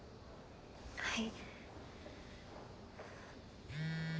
はい。